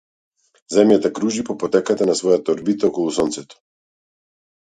Земјата кружи по патеката на својата орбита околу сонцето.